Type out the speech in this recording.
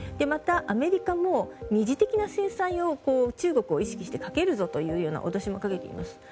また、アメリカも２次的な制裁を中国を意識してかけるぞというような脅しもかけています。